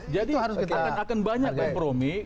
jadi akan banyak kompromi